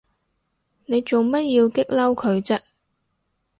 你做乜要激嬲佢啫？